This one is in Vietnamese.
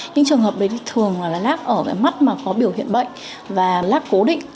những trường hợp đấy thường là lát ở mắt có biểu hiện bệnh và lát cố định